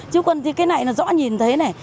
chứ còn cái này rõ nhìn thế này